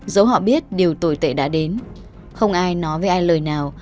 dẫu họ biết điều tồi tệ đã đến không ai nói với ai lời nào